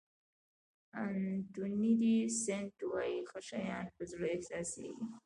انتوني دي سېنټ وایي ښه شیان په زړه احساسېږي.